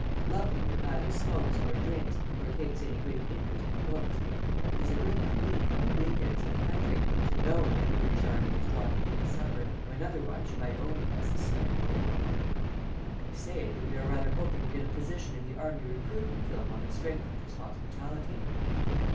Luckily it neither smokes nor drinks nor takes any great interest in books. It is a great relief, on your week ends in the country, to know that the British Army is dropping in to supper, when otherwise you might only have suspected it. I may say that we are rather hoping to get a position in the Army Recruiting film on the strength of this hospitality.